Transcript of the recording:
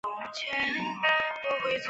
大定二十四年。